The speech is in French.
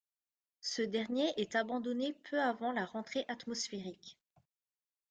Ce dernier est abandonné peu avant la rentrée atmosphérique.